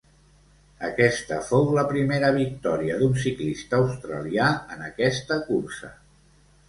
Aquesta fou la primera victòria d'un ciclista australià en aquesta cursa.